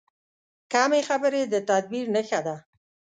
کمې خبرې، د تدبیر نښه ده.